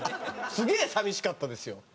すげえ寂しかったですよ。